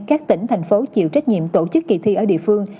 các tỉnh thành phố chịu trách nhiệm tổ chức kỳ thi ở địa phương